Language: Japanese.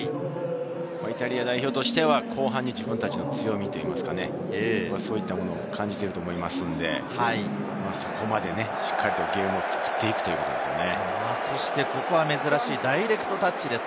イタリア代表としては後半、自分たちの強みというか、そういったものを感じていると思いますので、そこまでしっかりゲームを作っていくということですよね。